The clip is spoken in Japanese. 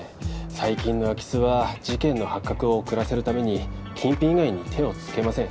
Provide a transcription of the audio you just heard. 最近の空き巣は事件の発覚を遅らせるために金品以外に手をつけません